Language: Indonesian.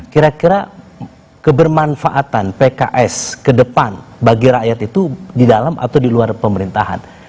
kira kira kebermanfaatan pks ke depan bagi rakyat itu di dalam atau di luar pemerintahan